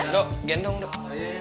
eh ndok gendong ndok